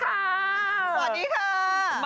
สวัสดีเถอะ